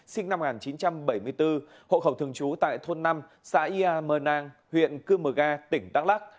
sinh năm một nghìn chín trăm bảy mươi bốn hộ khẩu thường trú tại thôn năm xã ia mơ nang huyện cư mờ ga tỉnh đắk lắc